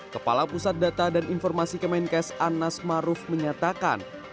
kepala pusat data dan informasi kemenkes anas maruf menyatakan